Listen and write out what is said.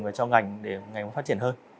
và cho ngành để ngành phát triển hơn